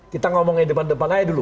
kita ngomongin depan depan aja dulu